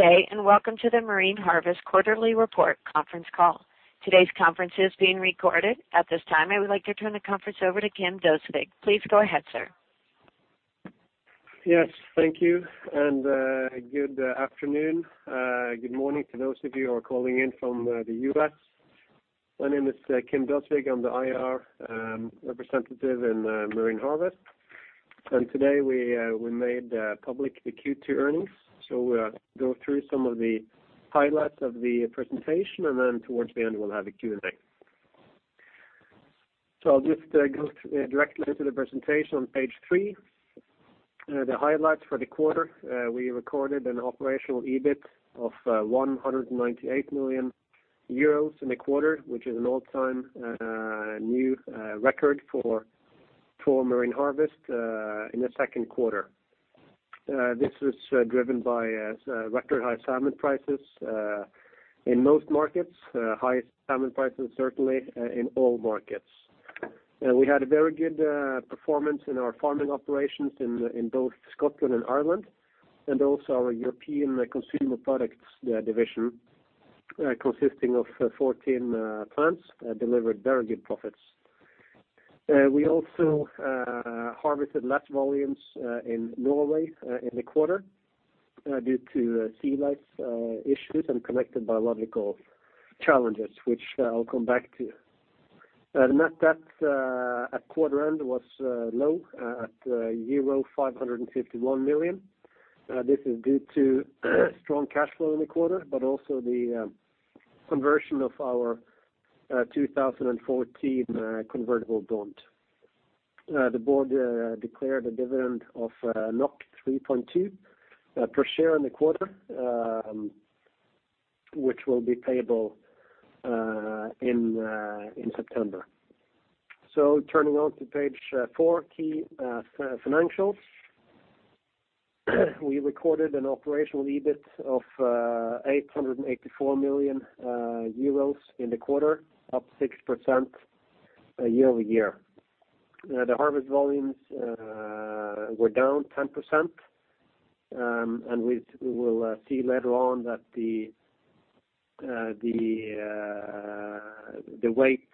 Good day, welcome to the Marine Harvest Quarterly Report conference call. Today's conference is being recorded. At this time, I would like to turn the conference over to Kim Galtung Døsvig. Please go ahead, sir. Yes, thank you. Good afternoon, good morning to those of you who are calling in from the U.S. My name is Kim Galtung Døsvig. I'm the IR representative in Marine Harvest. Today, we made public the Q2 earnings. We'll go through some of the highlights of the presentation, and then towards the end, we'll have a Q&A. I'll just go directly to the presentation on page three. The highlights for the quarter, we recorded an operational EBITDA of 198 million euros in the quarter, which is an all-time new record for Marine Harvest in the second quarter. This was driven by record high salmon prices in most markets, highest salmon prices, certainly in all markets. We had a very good performance in our farming operations in both Scotland and Ireland, and also our European consumer products division consisting of 14 plants, delivered very good profits. We also harvested less volumes in Norway in the quarter due to sea lice issues and connected biological challenges, which I will come back to. Net debt at quarter end was low at euro 551 million. This is due to strong cash flow in the quarter, but also the conversion of our 2014 convertible bond. The board declared a dividend of 3.2 per share in the quarter, which will be payable in September. Turning on to page 4, key financials. We recorded an operational EBITDA of 884 million euros in the quarter, up 6% year-over-year. The harvest volumes were down 10%, and we will see later on that the weight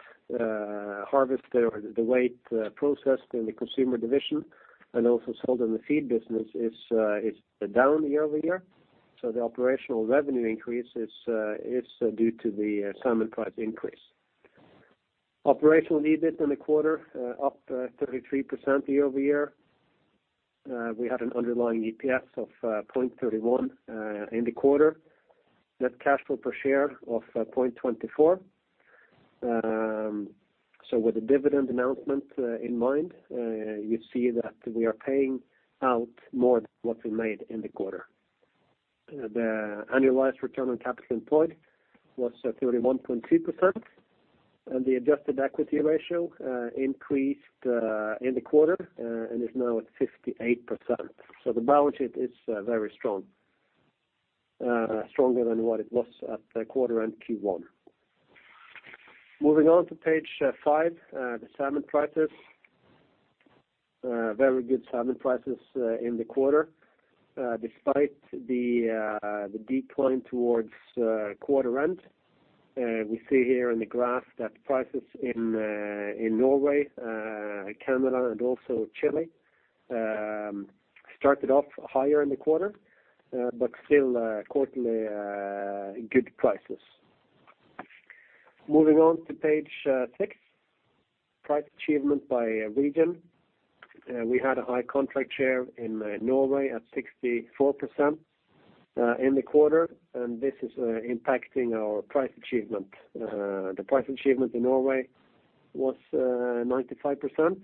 harvested or the weight processed in the consumer division and also sold in the feed business is down year-over-year. The operational revenue increase is due to the salmon price increase. Operational EBITDA in the quarter up 33% year-over-year. We had an underlying EPS of 0.31 in the quarter. Net cash flow per share of 0.24. With the dividend announcement in mind, you see that we are paying out more than what we made in the quarter. The annualized return on capital employed was 31.2%, and the adjusted equity ratio increased in the quarter and is now at 58%. The balance sheet is very strong. Stronger than what it was at the quarter-end Q1. Moving on to page 5, the salmon prices. Very good salmon prices in the quarter. Despite the decline towards quarter-end, we see here in the graph that prices in Norway, Canada, and also Chile started off higher in the quarter, but still quarterly good prices. Moving on to page 6, price achievement by region. We had a high contract share in Norway at 64% in the quarter. This is impacting our price achievement. The price achievement in Norway was 95%.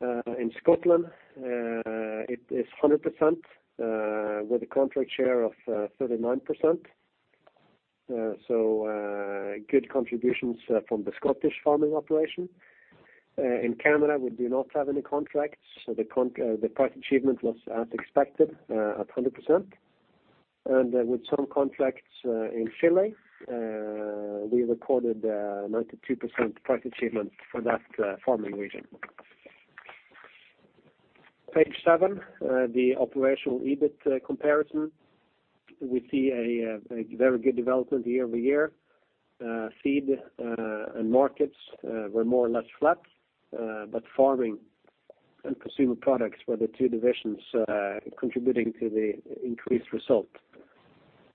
In Scotland, it is 100% with a contract share of 39%. Good contributions from the Scottish farming operation. In Canada, we do not have any contracts. The price achievement was as expected at 100%. With some contracts in Chile, we recorded a 92% price achievement for that farming region. Page 7, the operational EBITDA comparison. We see a very good development year-over-year. Feed and markets were more or less flat. Farming and consumer products were the two divisions contributing to the increased result.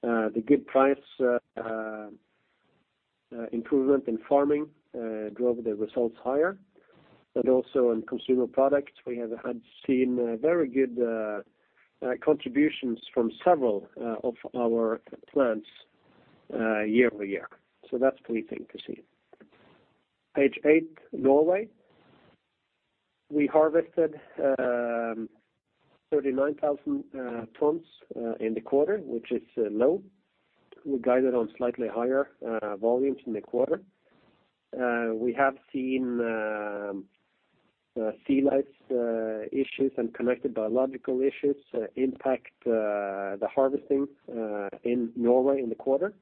The good price improvement in farming drove the results higher. Also in consumer products, we have seen very good contributions from several of our plants year-over-year. That's pleasing to see. Page 8, Norway. We harvested 39,000 tons in the quarter, which is low. We guided on slightly higher volumes in the quarter. We have seen sea lice issues and connected biological issues impact the harvesting in Norway in the quarter.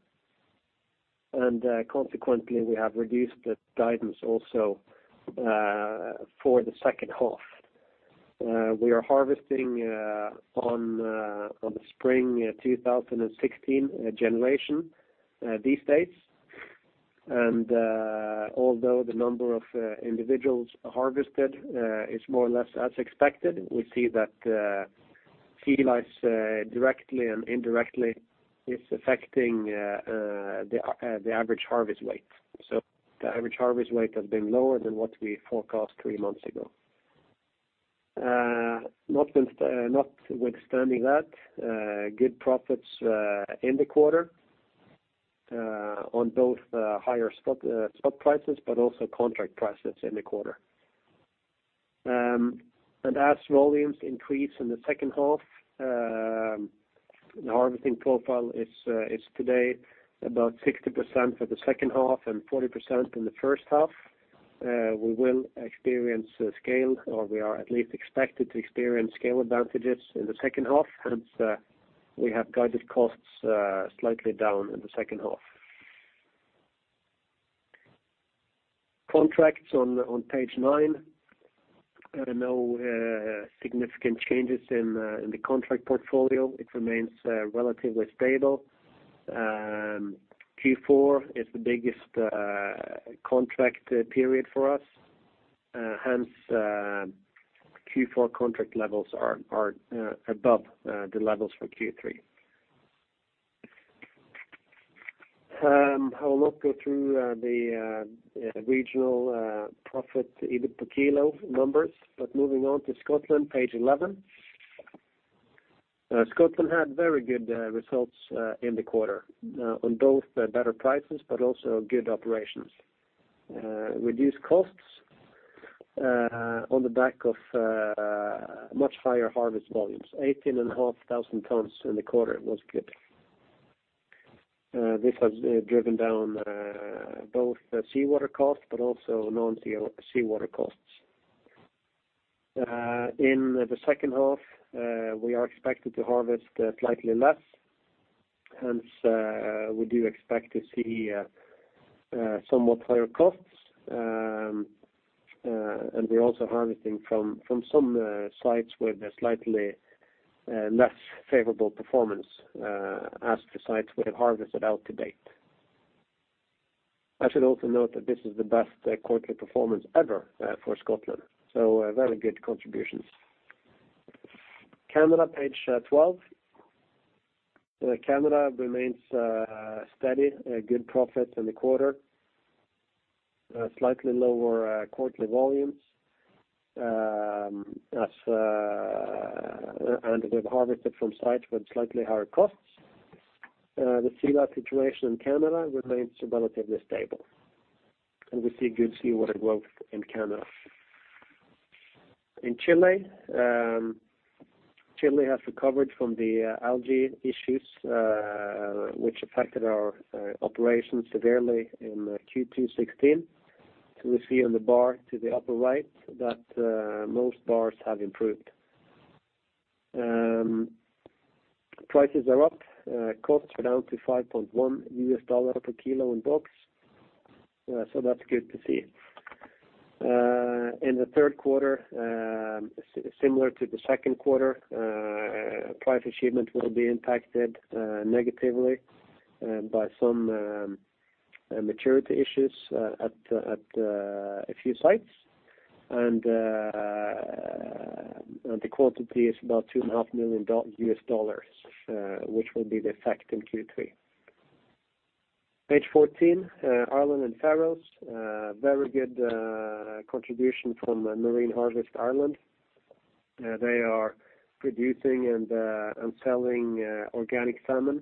Consequently, we have reduced the guidance also for the second half. We are harvesting on the spring 2016 generation these days. Although the number of individuals harvested is more or less as expected, we see that sea lice directly and indirectly is affecting the average harvest weight. The average harvest weight has been lower than what we forecast three months ago. Notwithstanding that, good profits in the quarter on both higher spot prices but also contract prices in the quarter. As volumes increase in the second half, the harvesting profile is today about 60% for the second half and 40% in the first half. We will experience scale, or we are at least expected to experience scale advantages in the second half, hence we have guided costs slightly down in the second half. Contracts on page 9. No significant changes in the contract portfolio. It remains relatively stable. Q4 is the biggest contract period for us, hence Q4 contract levels are above the levels for Q3. I will not go through the regional profit EBITDA per kilo numbers, but moving on to Scotland, page 11. Scotland had very good results in the quarter on both better prices but also good operations. Reduced costs on the back of much higher harvest volumes. 18,500 tonnes in the quarter was good. This has driven down both the seawater costs but also non-seawater costs. In the second half, we are expected to harvest slightly less, hence we do expect to see somewhat higher costs. We're also harvesting from some sites with a slightly less favorable performance as to sites we have harvested out to date. I should also note that this is the best quarterly performance ever for Scotland, very good contributions. Canada, page 12. Canada remains steady. Good profit in the quarter. Slightly lower quarterly volumes. We've harvested from sites with slightly higher costs. The sea lice situation in Canada remains relatively stable, and we see good seawater growth in Canada. In Chile has recovered from the algae issues, which affected our operations severely in Q3 2016. We see in the bar to the upper right that most bars have improved. Prices are up. Costs are down to $5.1 per kilo in box. That's good to see. In the third quarter, similar to the second quarter, price achievement will be impacted negatively by some maturity issues at a few sites. The quantity is about $2.5 million, which will be the effect in Q3. Page 14, Ireland and Faroes. Very good contribution from Marine Harvest Ireland. They are producing and selling organic salmon,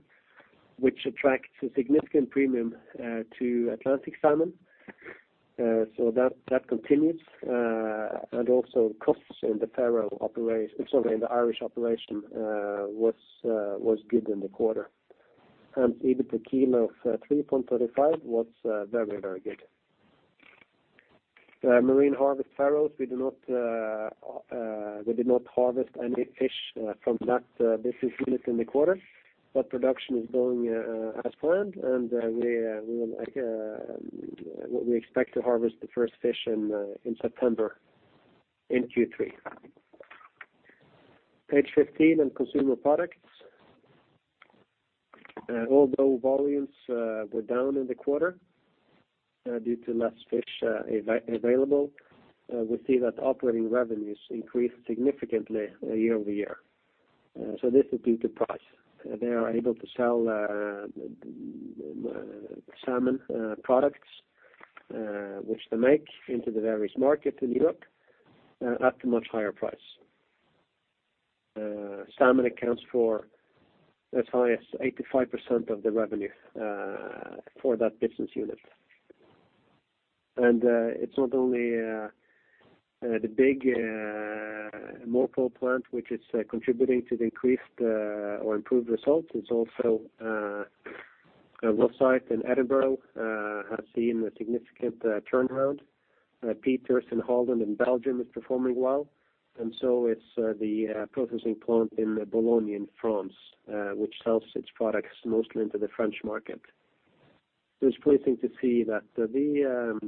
which attracts a significant premium to Atlantic salmon. That continues. Also costs in the Irish operation was good in the quarter. EBITDA per kilo of 3.35 was very, very good. Marine Harvest Faroes, they did not harvest any fish from that business unit in the quarter, but production is going as planned, and we expect to harvest the first fish in September in Q3. Page 15 on consumer products. Although volumes were down in the quarter due to less fish available, we see that operating revenues increased significantly year-over-year. This is due to price. They are able to sell the salmon products which they make into the various markets in Europe at a much higher price. Salmon accounts for as high as 85% of the revenue for that business unit. It's not only the big Mowi plant which is contributing to the increased or improved results. It's also the site in Edinburgh has seen a significant turnaround. The Pieters in Holland and Belgium is performing well, and so is the processing plant in Boulogne in France, which sells its products mostly into the French market. It's pleasing to see that the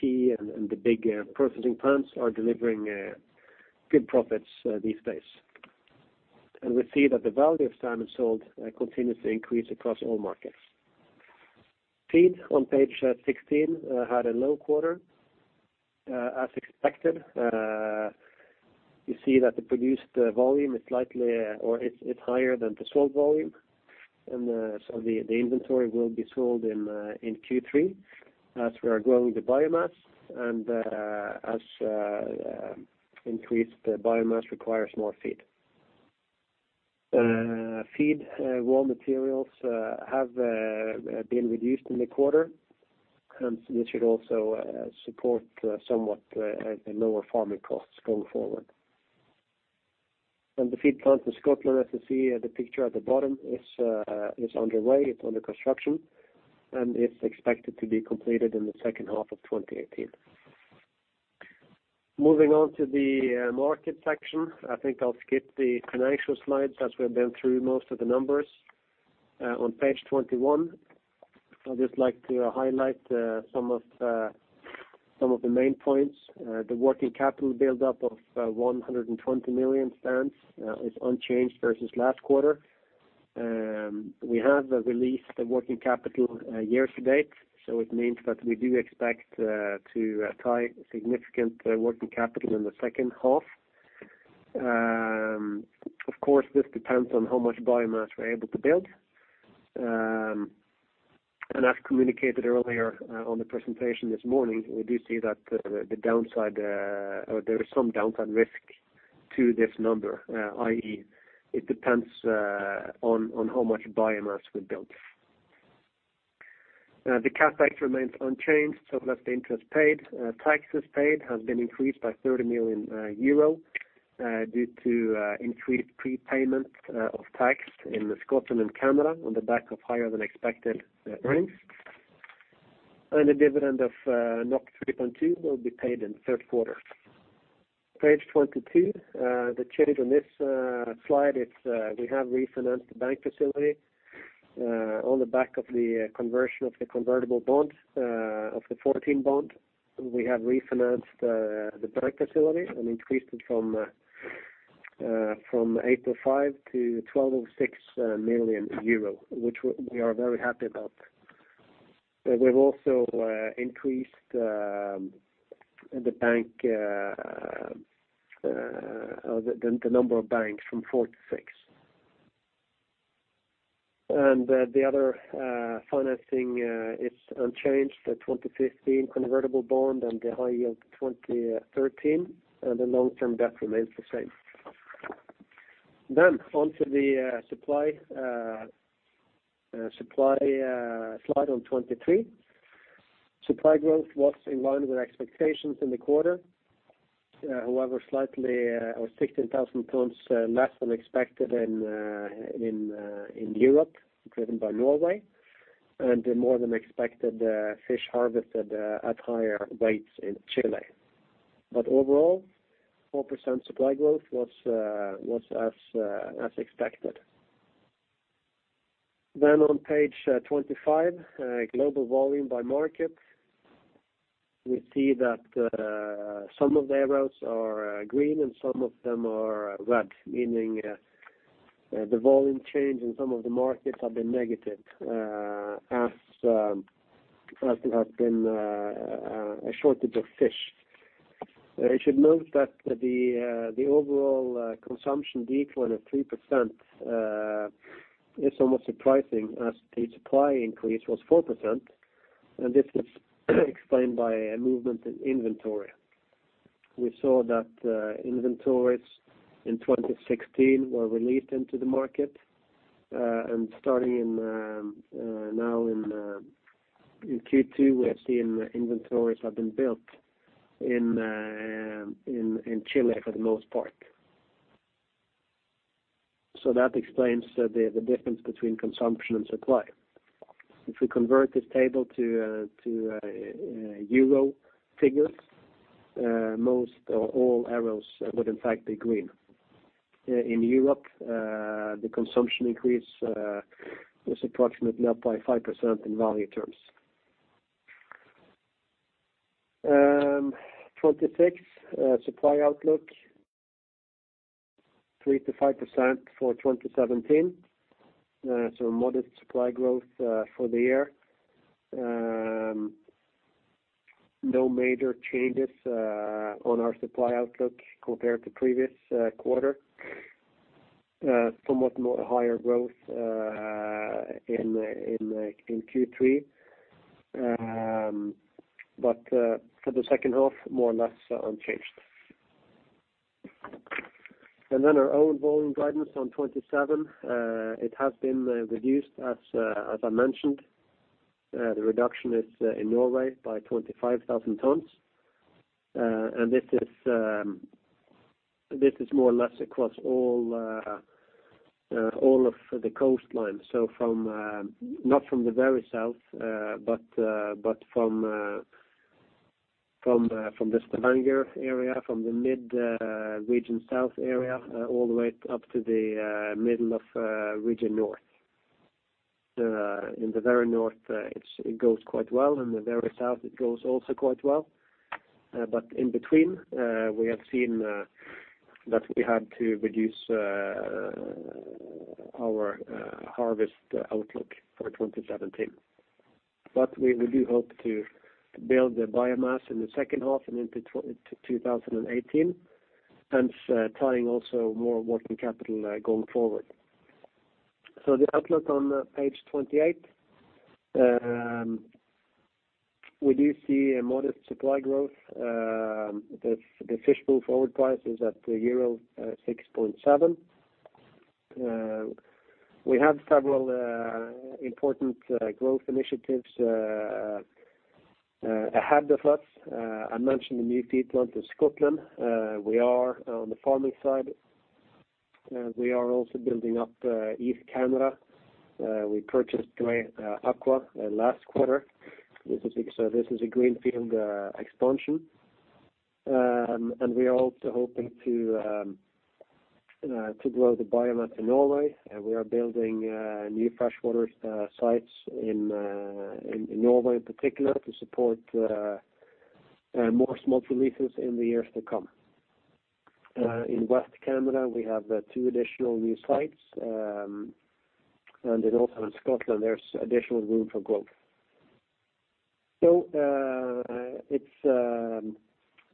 key and the big processing plants are delivering good profits these days. We see that the value of salmon sold continues to increase across all markets. Feed, on page 16, had a low quarter, as expected. You see that the produced volume is likely or is higher than the sold volume. The inventory will be sold in Q3 as we are growing the biomass and as increased biomass requires more feed. Feed raw materials have been reduced in the quarter, and this should also support somewhat lower farming costs going forward. The feed plant in Scotland, as you see the picture at the bottom, is underway. It's under construction, and it's expected to be completed in the second half of 2018. Moving on to the market section. I think I'll skip the financial slides as we've been through most of the numbers. On page 21, I'd just like to highlight some of the main points. The working capital build-up of 120 million pounds is unchanged versus last quarter. We have released the working capital year-to-date, it means that we do expect to tie significant working capital in the second half. Of course, this depends on how much biomass we're able to build. As communicated earlier on the presentation this morning, we do see that there's some downside risk to this number, i.e., it depends on how much biomass we build. The CapEx remains unchanged, so have the interest paid. Taxes paid have been increased by 30 million euro due to increased prepayment of tax in Scotland and Canada on the back of higher-than-expected earnings. A dividend of 3.2 will be paid in the third quarter. Page 22. The change on this slide is we have refinanced the bank facility. On the back of the conversion of the convertible bond of the 2014 bond, we have refinanced the bank facility and increased it from 805 million euro to EUR 1,206 million, which we are very happy about. We've also increased the number of banks from four to six. The other financing, it's unchanged. The 2015 convertible bond and the high yield 2013, the long-term debt remains the same. On to the supply slide on 23. Supply growth was in line with expectations in the quarter. However, slightly, or 16,000 tons less than expected in Europe, driven by Norway, and more than expected fish harvested at higher weights in Chile. Overall, 4% supply growth was as expected. On page 25, global volume by market. We see that some of the arrows are green and some of them are red, meaning the volume change in some of the markets have been negative as there has been a shortage of fish. You should note that the overall consumption decline of 3% is almost surprising as the supply increase was 4%, and this is explained by a movement in inventory. We saw that inventories in 2016 were released into the market. Starting now in Q2, we have seen inventories have been built in Chile for the most part. That explains the difference between consumption and supply. If we convert this table to euro figures, most or all arrows would in fact be green. In Europe, the consumption increase was approximately up by 5% in value terms. 26, supply outlook, 3% to 5% for 2017. Moderate supply growth for the year. No major changes on our supply outlook compared to previous quarter. Somewhat more higher growth in Q3. For the second half, more or less unchanged. Our own volume guidance on 27. It has been reduced, as I mentioned. The reduction is in Norway by 25,000 tons. This is more or less across all of the coastline. Not from the very south but from the Stavanger area, from the mid region south area, all the way up to the middle of region north. In the very north it goes quite well, in the very south it goes also quite well. In between we have seen that we had to reduce our harvest outlook for 2017. We do hope to build the biomass in the second half and into 2018, hence tying also more working capital going forward. The outlook on page 28. We do see a modest supply growth. The Fish Pool forward price is at euro 6.7. We have several important growth initiatives ahead of us. I mentioned the new feed plant in Scotland. We are on the farming side. We are also building up East Canada. We purchased Grieg Seafood last quarter. This is a greenfield expansion. We are also hoping to grow the biomass in Norway. We are building new freshwater sites in Norway in particular to support more smolt releases in the years to come. In West Canada, we have two additional new sites. Also in Scotland, there's additional room for growth. It's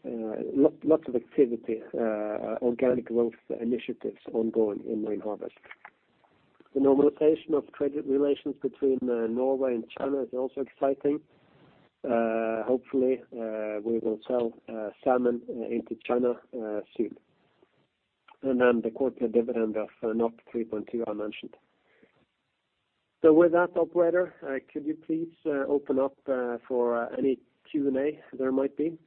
lots of activity, organic growth initiatives ongoing in Marine Harvest. The normalization of trade relations between Norway and China is also exciting. Hopefully we will sell salmon into China soon. The quarterly dividend of 3.2 I mentioned. With that, operator, could you please open up for any Q&A there might be?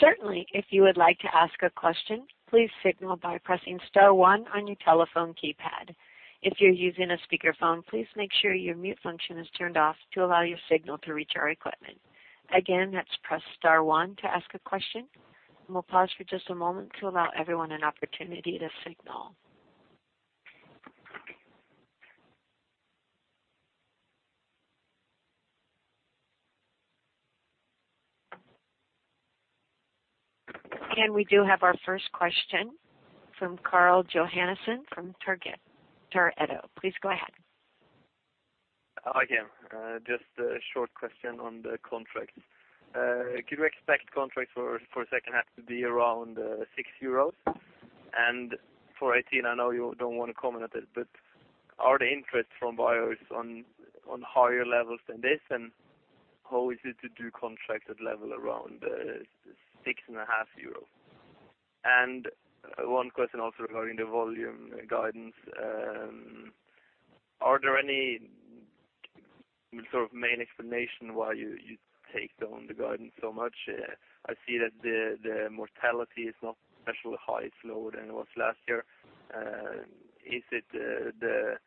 Certainly. If you would like to ask a question, please signal by pressing star one on your telephone keypad. If you're using a speakerphone, please make sure your mute function is turned off to allow your signal to reach our equipment. Again, that's press star one to ask a question. We'll pause for just a moment to allow everyone an opportunity to signal. We do have our first question from Karl Johannessen from Targa. Please go ahead. Hi again. Just a short question on the contracts. Could you expect contracts for second half to be around 6 euros? For 2018, I know you don't want to comment on it, but are the interest from buyers on higher levels than this, and how is it to do contract at level around six and a half EUR? One question also regarding the volume guidance. Are there any sort of main explanation why you take down the guidance so much? I see that the mortality is not especially high, it's lower than it was last year. Is it the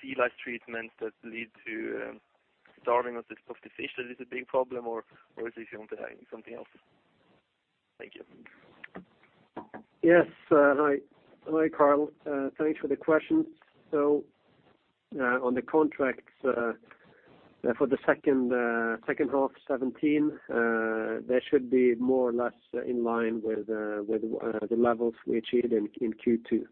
sea lice treatment that lead to starving of the fish that is a big problem, or is it something else? Thank you. Yes. Hi, Karl. Thanks for the question. On the contracts for the second half 2017, they should be more or less in line with the levels we achieved in Q2.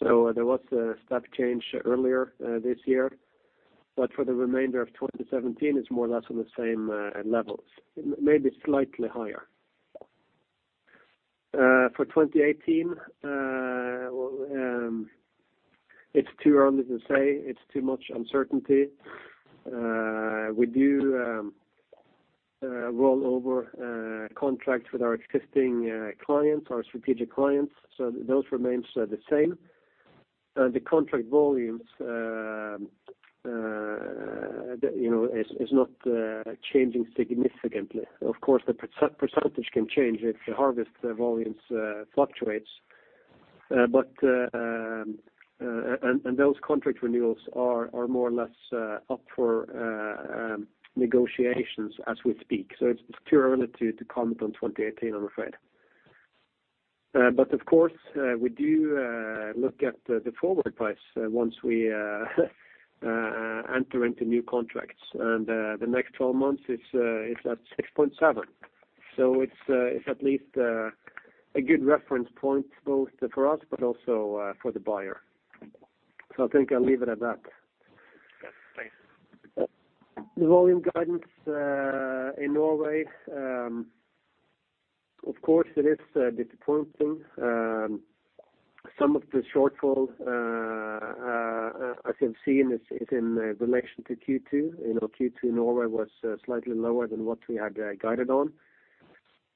There was a step change earlier this year, for the remainder of 2017, it's more or less on the same levels. Maybe slightly higher. For 2018, it's too early to say. It's too much uncertainty. We do roll over contracts with our existing clients, our strategic clients. Those remains the same. The contract volumes is not changing significantly. Of course, the percentage can change if the harvest volumes fluctuates. Those contract renewals are more or less up for negotiations as we speak. It's too early to comment on 2018, I'm afraid. Of course, we do look at the forward price once we enter into new contracts. The next 12 months is at 6.7. It's at least a good reference point both for us but also for the buyer. I think I'll leave it at that. Yes. Thanks. The volume guidance in Norway, of course it is disappointing. Some of the shortfall I can see is in relation to Q2. Q2 Norway was slightly lower than what we had guided on.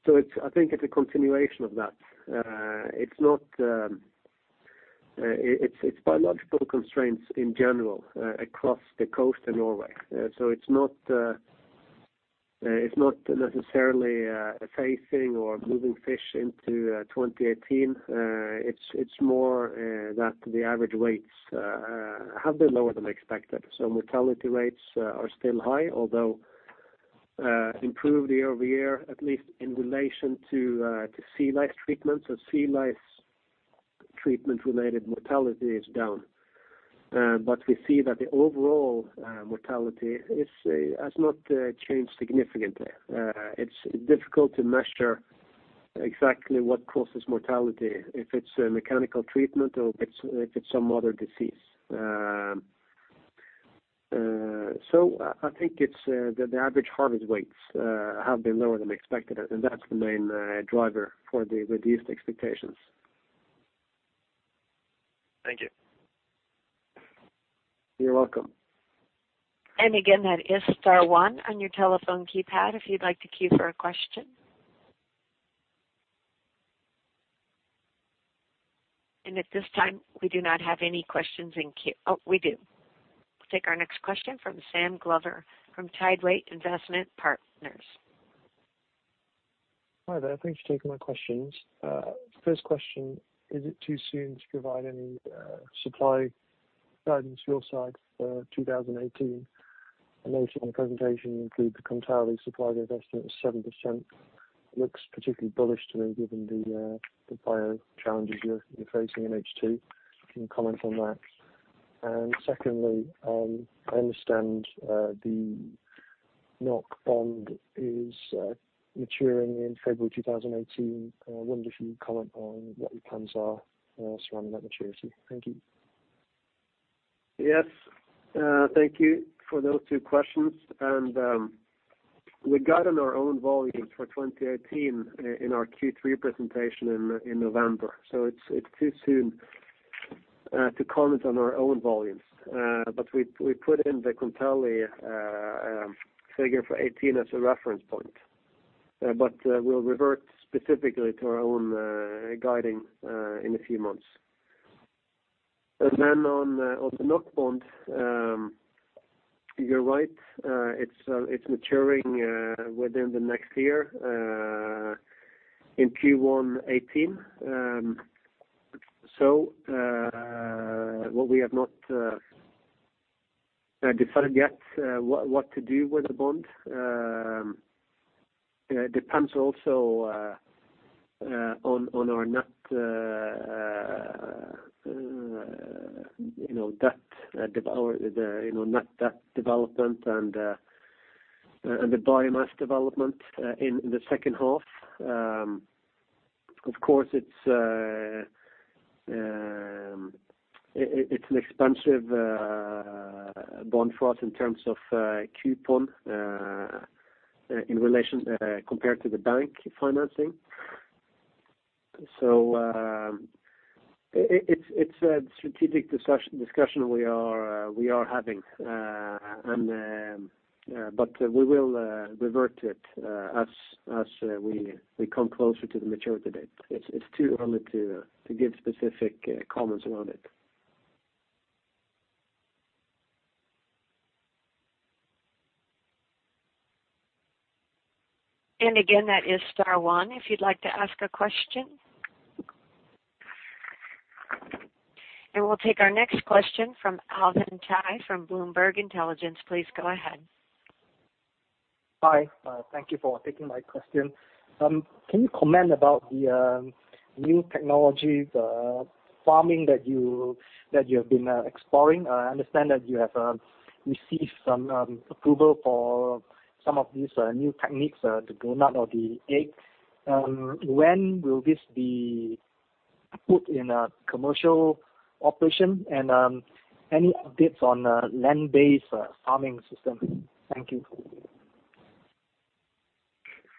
I think it's a continuation of that. It's biological constraints in general across the coast of Norway. It's not necessarily facing or moving fish into 2018. It's more that the average weights have been lower than expected. Mortality rates are still high, although improved year-over-year, at least in relation to sea lice treatment. Sea lice treatment-related mortality is down. We see that the overall mortality has not changed significantly. It's difficult to measure exactly what causes mortality, if it's a mechanical treatment or if it's some other disease. I think it's that the average harvest weights have been lower than expected, and that's the main driver for the reduced expectations. Thank you. You're welcome. Again, that is star 1 on your telephone keypad if you'd like to queue for a question. At this time, we do not have any questions, oh, we do. Take our next question from Sam Glover from Tideway Investment Partners. Hi there. Thanks for taking my questions. First question, is it too soon to provide any supply guidance for your side for 2018? I know from presentation you include the Kontali supply investment at 7%. Looks particularly bullish to me given the bio challenges you're facing in H2. Can you comment on that? Secondly, I understand the NOK bond is maturing in February 2018. I wonder if you can comment on what your plans are surrounding that maturity. Thank you. Yes. Thank you for those two questions. We got in our own volumes for 2018 in our Q3 presentation in November. It is too soon to comment on our own volumes. We put in the Kontali figure for 2018 as a reference point. We will revert specifically to our own guiding in a few months. Then on the NOK bond, you are right. It is maturing within the next year, in Q1 2018. What we have not defined yet what to do with the bond. Depends also on our net debt development and the biomass development in the second half. Of course, it is an expensive bond for us in terms of coupon in relation compared to the bank financing. It is a strategic discussion we are having. We will revert to it as we come closer to the maturity date. It's too early to give specific comments around it. Again, that is star one if you'd like to ask a question. We'll take our next question from Alvin Kai from Bloomberg Intelligence. Please go ahead. Hi. Thank you for taking my question. Can you comment about the new technology farming that you have been exploring? I understand that you have received some approval for some of these new techniques, the Donut or the Egg. When will this be put in a commercial operation? Any updates on land-based farming system? Thank you.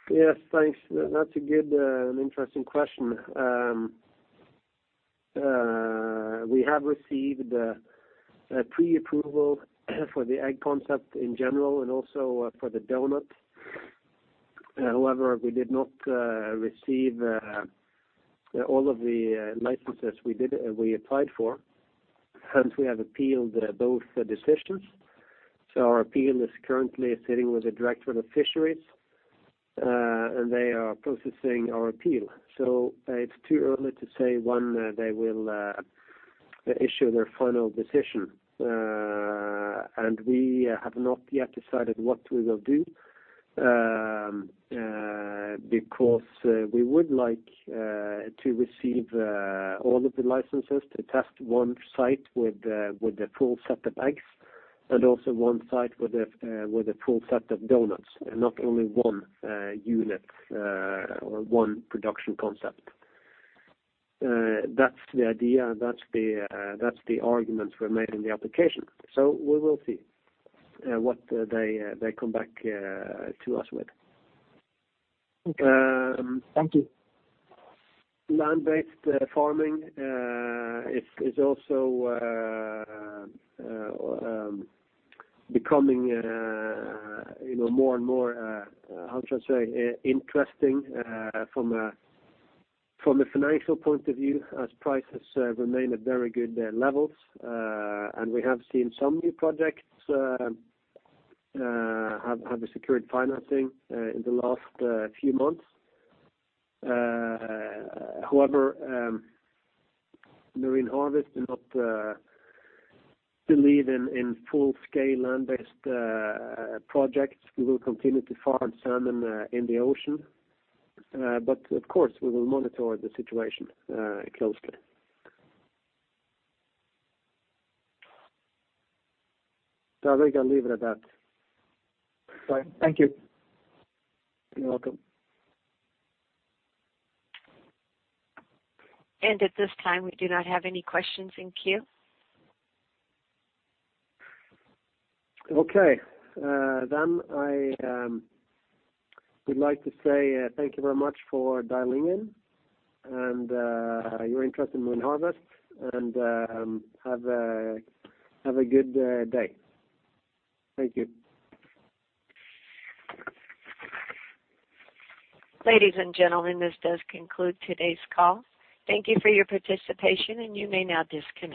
Yes, thanks. That's a good and interesting question. We have received a pre-approval for the Egg concept in general and also for the Donut. We did not receive all of the licenses we applied for. We have appealed both the decisions. Our appeal is currently sitting with the Director of Fisheries, and they are processing our appeal. It's too early to say when they will issue their final decision. We have not yet decided what we will do, because we would like to receive all of the licenses to test one site with the full set of Eggs and also one site with a full set of Donuts, and not only one unit or one production concept. That's the idea. That's the argument we made in the application. We will see what they come back to us with. Okay. Thank you. Land-based farming, it's also becoming more and more, how should I say, interesting from a financial point of view as prices remain at very good levels. We have seen some new projects have secured financing in the last few months. However, Marine Harvest does not believe in full-scale land-based projects. We will continue to farm salmon in the ocean. Of course, we will monitor the situation closely. I think I'll leave it at that. All right. Thank you. You're welcome. At this time, we do not have any questions in queue. Okay. I would like to say thank you very much for dialing in and your interest in Marine Harvest, and have a good day. Thank you. Ladies and gentlemen, this does conclude today's call. Thank you for your participation, and you may now disconnect.